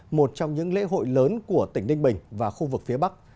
một trong những lễ hội lớn của tỉnh ninh bình và khu vực phía bắc